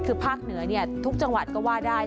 คือภาคเหนือทุกจังหวัดก็ว่าได้